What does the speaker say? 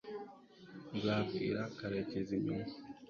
nzabwira karekezi nyuma